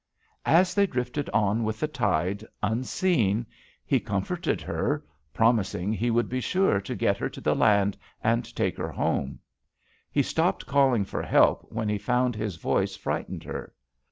"As they drifted on with the tide, unseen, JUST SWEETHEARTS he comforted her, promising he would be sure to get her to the land and take her home. He stopped calling for help when he found his voice frightened her.